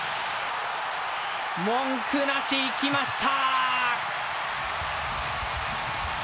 文句なしいきました！